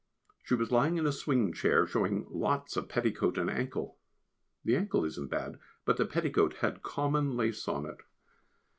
She was lying in a swing chair, showing lots of petticoat and ankle. The ankle isn't bad, but the petticoat had common lace on it.